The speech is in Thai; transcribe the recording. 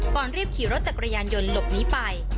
ก่อนรีบขี่รถจักรยานยนต์หลบหนีไป